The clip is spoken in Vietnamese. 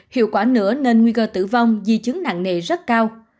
hiệu quả nữa nên nguy cơ tử vong di chứng nặng nề rất cao